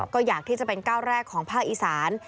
ก็อยากที่จะเป็นก้าวแรกของภาคอีสาน